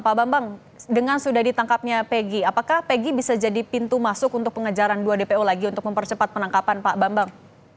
pak bambang dengan sudah ditangkapnya pegi apakah pegi bisa jadi pintu masuk untuk pengejaran dua dpo lagi untuk mempercepat penangkapan pak bambang